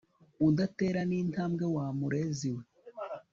udatera nintambwe wa murezi we